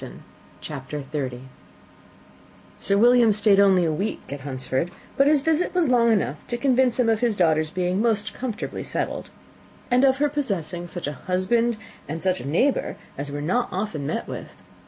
Sir William stayed only a week at Hunsford; but his visit was long enough to convince him of his daughter's being most comfortably settled, and of her possessing such a husband and such a neighbour as were not often met with.